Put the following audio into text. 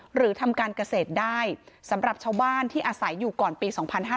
หรือทำการเกษตรได้สำหรับชาวบ้านที่อาศัยอยู่ก่อนปี๒๕๕๙